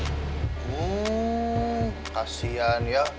hmm kasihan ya